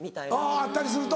あったりすると。